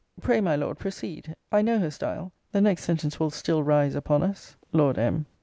Pray, my Lord, proceed I know her style; the next sentence will still rise upon us. Lord M.